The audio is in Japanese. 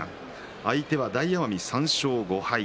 相手は大奄美３勝５敗